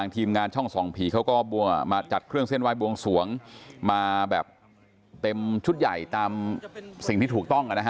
ท่องส่องผีเค้าก็มาจัดเครื่องเส้นวายบวงสวงมาแบบเต็มชุดใหญ่ตามสิ่งที่ถูกต้องกันนะฮะ